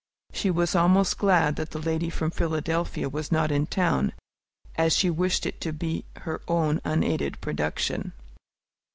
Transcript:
She was almost glad that the lady from Philadelphia was not in town, as she wished it to be her own unaided production.